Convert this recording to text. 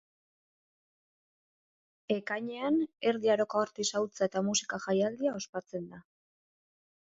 Ekainean Erdi Aroko artisautza eta musika jaialdia ospatzen da.